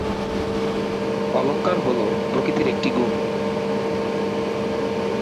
অহংকার হল প্রকৃতির একটি গুণ।